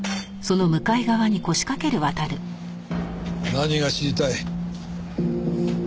何が知りたい？